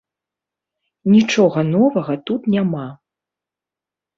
Нічога новага тут няма.